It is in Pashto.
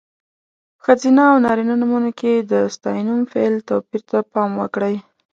په ښځینه او نارینه نومونو کې د ستاینوم، فعل... توپیر ته پام وکړئ.